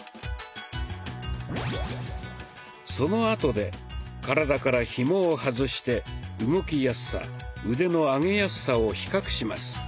そのあとで体からひもを外して動きやすさ腕の上げやすさを比較します。